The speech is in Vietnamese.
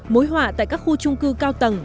mối họa tại các khu trung cư cao tầng